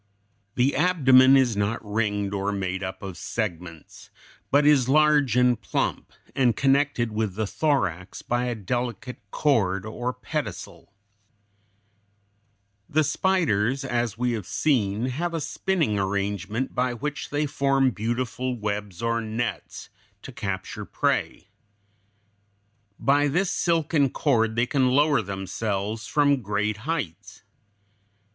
The abdomen is not ringed or made up of segments, but is large and plump, and connected with the thorax by a delicate cord or pedicel. [Illustration: FIG. 170. Garden spider, upper and lower surface.] The spiders, as we have seen, have a spinning arrangement by which they form beautiful webs or nets to capture prey. By this silken cord they can lower themselves from great heights.